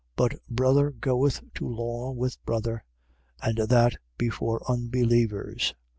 6:6. But brother goeth to law with brother: and that before unbelievers.